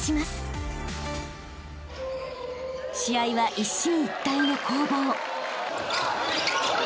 ［試合は一進一退の攻防］